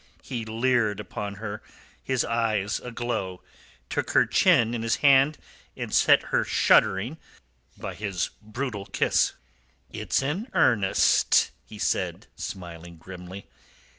He leered upon her, his eyes aglow, took her chin in his hand, and set her shuddering by his brutal kiss. "It's an earnest," he said, smiling grimly.